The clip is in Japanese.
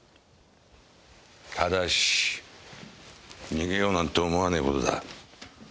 ただし逃げようなんて思わねえ事だ。